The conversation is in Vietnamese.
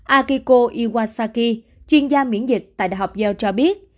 akiko iwasaki chuyên gia miễn dịch tại đại học yell cho biết